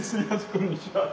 こんにちは。